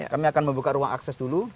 kami akan membuka ruang akses dulu